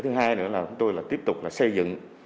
thứ hai nữa là tôi tiếp tục xây dựng